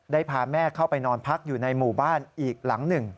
พาแม่เข้าไปนอนพักอยู่ในหมู่บ้านอีกหลังหนึ่ง